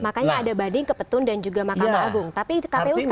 makanya ada banding ke petun dan juga mahkamah agung